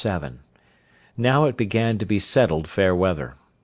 —Now it began to be settled fair weather.